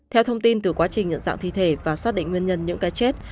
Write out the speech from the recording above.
theo thông tin từ quá trình nhận dạng thi thể và xác định nguyên nhân những cái chết